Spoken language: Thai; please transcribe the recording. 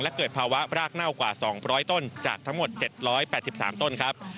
และเกิดภาวะรากเน่ากว่า๒๐๐ต้นจากทั้งหมด๗๘๓ต้นครับ